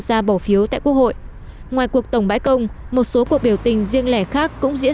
ra bỏ phiếu tại quốc hội ngoài cuộc tổng bãi công một số cuộc biểu tình riêng lẻ khác cũng diễn